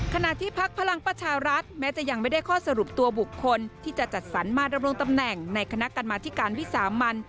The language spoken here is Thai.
ขณะที่พักพลังประชารัฐแม้จะยังไม่ได้ข้อสรุปตัวบุคคลที่จะจัดสรรมาดำรงตำแหน่งในคณะกรรมธิการวิสามัน